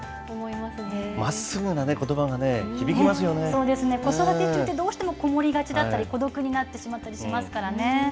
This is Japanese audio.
まっすぐなことばがね、響きそうですね、子育て中って、どうしても籠りがちだったり、孤独になってしまったりしますからね。